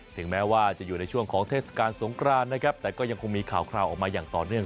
ถึงแม้ว่าจะอยู่ในช่วงของเทศกาลสงครานนะครับแต่ก็ยังคงมีข่าวคราวออกมาอย่างต่อเนื่อง